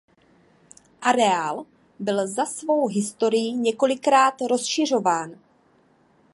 Areál byl za svou historii několikrát rozšiřován.